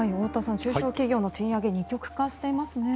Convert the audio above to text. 中小企業の賃上げ二極化していますね。